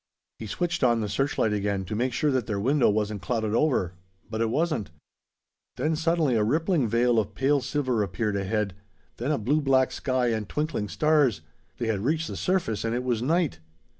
He switched on the searchlight again to make sure that their window wasn't clouded over; but it wasn't. Then suddenly a rippling veil of pale silver appeared ahead; then a blue black sky and twinkling stars. They had reached the surface, and it was night.